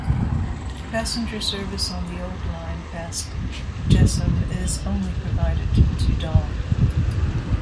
Passenger service on the old line past Jessheim is only provided to Dal.